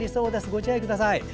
ご自愛ください。